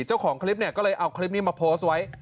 เจ้าของคลิปเนี่ยก็เลยเอาคลิปนี้มาโพสต์ไว้